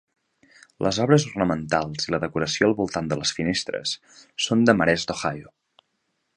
Les obres ornamentals i la decoració al voltant de les finestres són de marès d'Ohio.